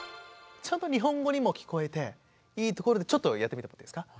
ちゃんと日本語にも聞こえていいところでちょっとやってみてもいいですか？